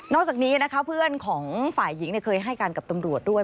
จากนี้นะคะเพื่อนของฝ่ายหญิงเคยให้การกับตำรวจด้วย